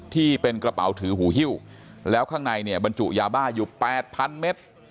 ที่เป็นกระเป๋าถือหูฮิ้วแล้วข้างในเนี่ยบรรจุยาบ้าอยู่๘๐๐เมตร